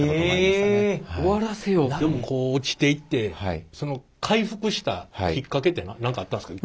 こう落ちていってその回復したきっかけって何かあったんですか？